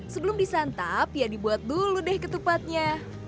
sebelum disantap ya dibuat dulu deh ketupatnya